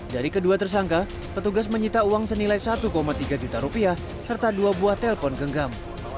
dari kedua tersangka petugas menyita uang senilai satu tiga juta rupiah serta dua buah telpon genggam